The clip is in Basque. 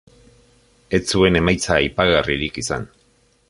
Ez zuen emaitza aipagarririk izan.